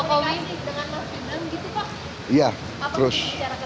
pak prabowo bisa bicarakan pak